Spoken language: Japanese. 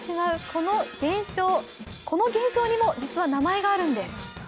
この現象にも実は名前があるんです。